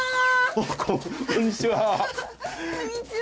こんにちは。